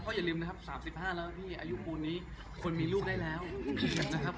อย่าลืมนะครับ๓๕แล้วพี่อายุปูนนี้คนมีลูกได้แล้วนะครับ